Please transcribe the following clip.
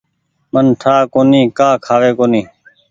من تو ٺآ ڪونيٚ ڪآ کآوي ڪونيٚ۔